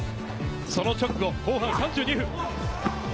その直後、後半３２分。